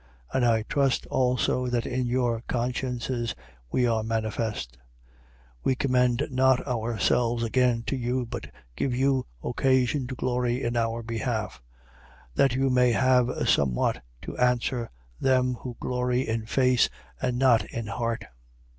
And I trust also that in your consciences we are manifest. 5:12. We commend not ourselves again to you, but give you occasion to glory in our behalf: that you may have somewhat to answer them who glory in face, and not in heart.